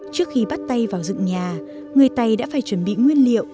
trước khi bắt tay vào dựng nhà người tày đã phải chuẩn bị nguyên liệu